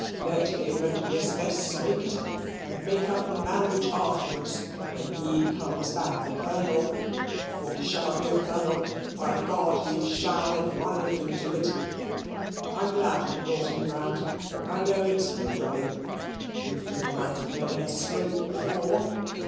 Let him and Miss S. make it up, and make out the marriage afterwards, when he comes back a Colonel; for he shall be a Colonel, by G he shall, if money can do it. I'm glad you've brought him round. I know it's you, Dobbin. You've took him out of many a scrape before.